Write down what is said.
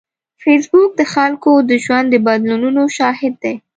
فېسبوک د خلکو د ژوند بدلونونو شاهد دی